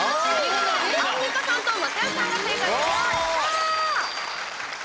アンミカさんと松也さんが正解です。